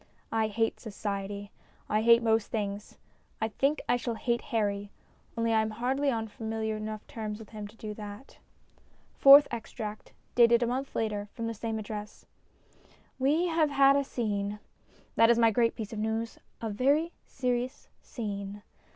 I hate Society ; I hate most things. I think I shall hate Harry, only I am hardly on familiar enough terms with him to do that. FOURTH EXTRACT (Dated a Month later> from the same Address) WE have had a scene. That is my great piece of news : a very serious scene.